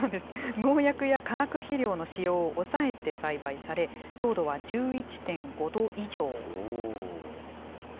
農薬や化学肥料の使用を抑えて栽培され、糖度は１１．５度以上。